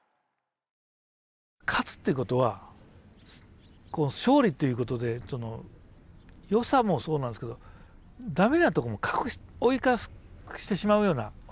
勝つということは勝利ということでよさもそうなんですけど駄目なとこも覆い隠してしまうような。